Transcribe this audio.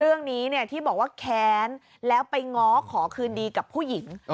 เรื่องนี้ที่บอกว่าแค้นแล้วไปง้อขอคืนดีกับผู้หญิง